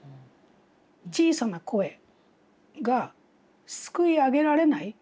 小さな声がすくい上げられない